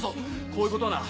こういうことはな